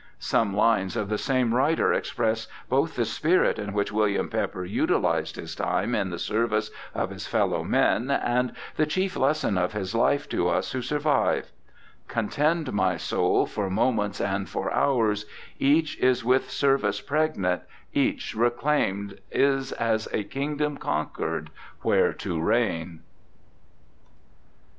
Some lines of the same writer express both the spirit in which William Pepper utilized his time in the service of his fellow men, and the chief lesson of his life to us who survive : Contend, my soul, for moments and for hours; Each is with service pregnant, each reclaimed Is as a Kingdom conquered, where to reign.